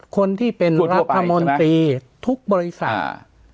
คนที่เป็นรัฐมนตรีทุกบริษัท